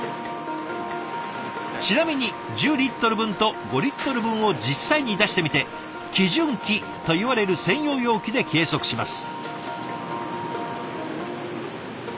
ちなみに１０リットル分と５リットル分を実際に出してみて基準器といわれる専用容器で計測します。